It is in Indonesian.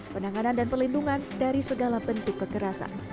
penanganan dan perlindungan dari segala bentuk kekerasan